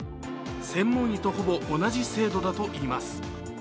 専門医とほぼ同じ精度だといいます。